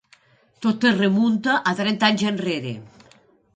Tot es remunta a trenta anys enrere.